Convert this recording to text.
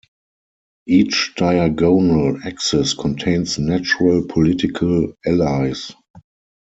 Each diagonal axis contains natural political allies.